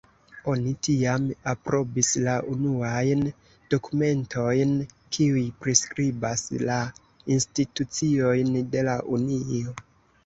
Oni tiam aprobis la unuajn dokumentojn kiuj priskribas la instituciojn de la Unio.